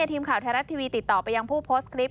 ทีมข่าวไทยรัฐทีวีติดต่อไปยังผู้โพสต์คลิป